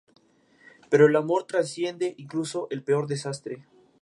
Pero el amor trasciende incluso el peor desastre.